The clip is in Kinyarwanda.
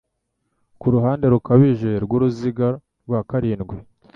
kuruhande rukabije rwuruziga rwa karindwi